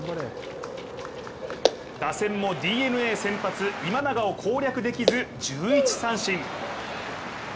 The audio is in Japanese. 打線もＤｅＮＡ先発・今永を攻略できず１１三振。